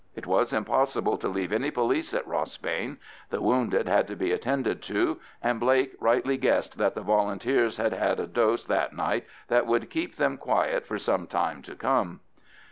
It was impossible to leave any police at Rossbane; the wounded had to be attended to, and Blake rightly guessed that the Volunteers had had a dose that night which would keep them quiet for some time to come.